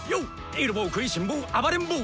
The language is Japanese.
イル坊食いしん坊暴れん坊！